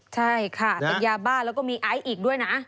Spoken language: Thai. ใช่ค่ะเป็นยาบ้าแล้วก็มีไอซ์อีกด้วยนะ